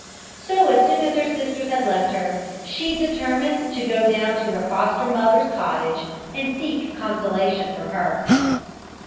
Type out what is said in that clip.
So as soon as her sisters had left her, she determined to go down to her foster mother's cottage, and seek consolation from her.